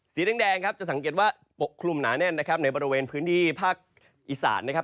สีแดงจะสังเกตว่าปกคลุมหนาแน่นในบริเวณพื้นที่ภาคอิสัตว์